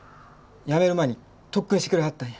辞める前に特訓してくれはったんや。